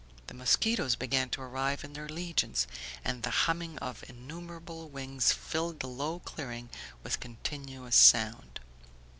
The Mosquitos began to arrive in their legions, and the humming of innumerable wings filled the low clearing with continuous sound.